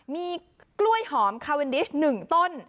มีกล้วยหอมคาเวนดิส๑ต้น